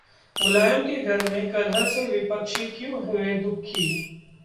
मुलायम के घर में कलह से विपक्षी क्यूं हुए दुखी